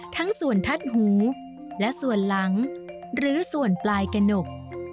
ทั้งส่วนทัดหูและส่วนหลังหรือส่วนปลายกระหนก